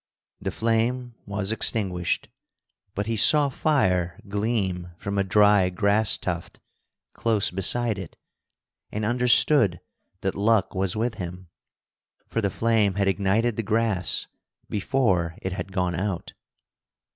The flame was extinguished, but he saw fire gleam from a dry grass tuft close beside it, and understood that luck was with him, for the flame had ignited the grass before it had gone out.